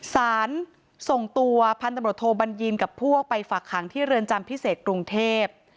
ส่งตัวพันธบทโทบัญญีนกับพวกไปฝักขังที่เรือนจำพิเศษกรุงเทพ